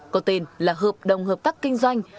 có tên là hợp đồng hợp tác kinh doanh